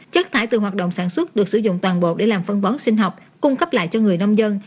chất thải từ hoạt động sản xuất được sử dụng toàn bộ để làm phân bón sinh học cung cấp lại cho người nông dân